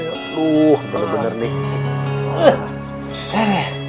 aduh benar benar nih